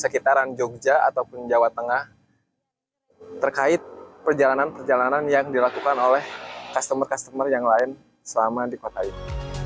sekitaran jogja ataupun jawa tengah terkait perjalanan perjalanan yang dilakukan oleh customer customer yang lain selama di kota ini